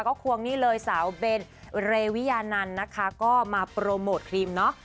ก็ควงนี่เลยสาวเบนเรวิยานันต์นะคะก็มาโปรโมทครีมเนาะ